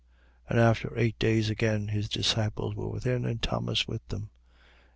20:26. And after eight days, again his disciples were within, and Thomas with them.